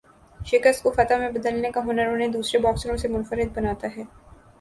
شکست کو فتح میں بدلنے کا ہنر انہیں دوسرے باکسروں سے منفرد بناتا ہے۔